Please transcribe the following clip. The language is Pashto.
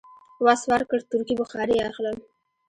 وس ورکړ، تورکي بخارۍ اخلم.